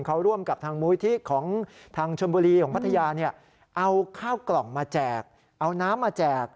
เขาร่วมกับทางมูลิธิของทางชนบุรีของพัทยาเนี่ยเอาข้าวกล่องมาแจกเอาน้ำมาแจก